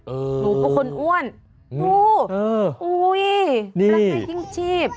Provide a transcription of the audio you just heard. เออหนูเป็นคนอ้วนโอ้โฮอุ๊ยแปลงได้ทิ้งชีพ